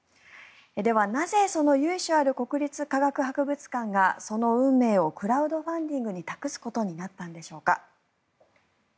では、なぜその由緒ある国立科学博物館がその運命をクラウドファンディングに託すことになったんでしょうか。